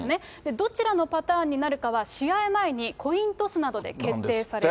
どちらのパターンになるかは、試合前に、コイントスなどで決定される。